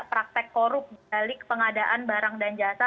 praktek korup balik pengadaan barang dan jasa